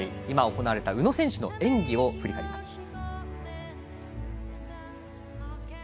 今、行われた宇野選手の演技を振り返ります。